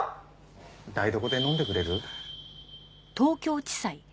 台所で飲んでくれる？